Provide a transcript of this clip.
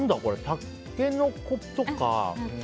タケノコとか。